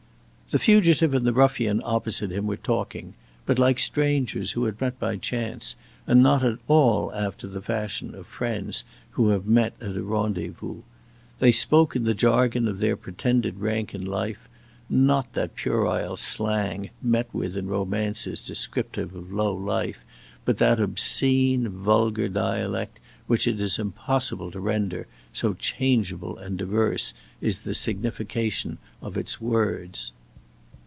The fugitive and the ruffian opposite him were talking, but like strangers who had met by chance, and not at all after the fashion of friends who have met at a rendezvous. They spoke in the jargon of their pretended rank in life, not that puerile slang met with in romances descriptive of low life, but that obscene, vulgar dialect which it is impossible to render, so changeable and diverse is the signification of its words.